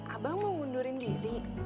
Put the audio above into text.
abang mau undurin diri